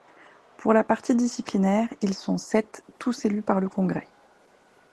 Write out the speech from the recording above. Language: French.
Pour la partie disciplinaire, ils sont sept, tous élus par le Congrès.